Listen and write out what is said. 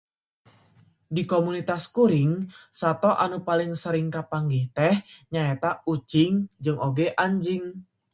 Di komunitas kuring sato anu paling sering kapanggih teh nyaeta ucing jeung oge anjing.